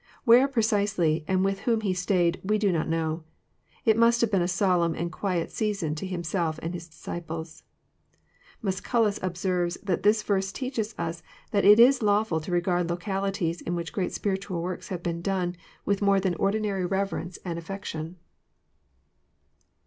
Where precisely, and with whom he stayed, we do not know. It must have been a solemn and quiet season to Himself and His disciples. Musculus observes that this verse teaches us that it is lawfhl to regard localities in which great spiritual works have been done with more than ordinary reverence and afibction.